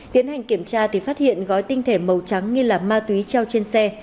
tiến hành kiểm tra thì phát hiện gói tinh thể màu trắng nghi là ma túy treo trên xe